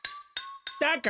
だから！